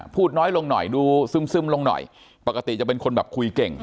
พูดน้อยลงหน่อยดูซึมลงหน่อยปกติจะเป็นคนแบบคุยเก่ง